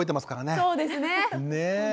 そうですね。